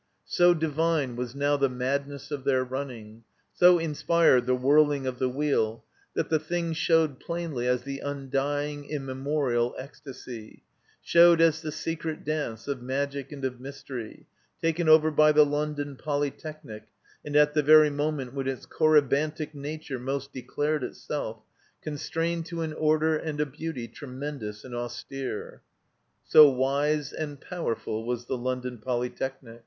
So divine was now the madness of their running, so inspired the whirling of the Wheel, that the thing showed plainly as the undying, immemorial ecstasy; showed as the secret dance of magic and of mystery, taken over by the London Polytechnic, and, at the very moment when its corybantic nature most declared itself, constrained to an order and a beauty tremendous and austere. * So wise and powerful was the London Poly technic.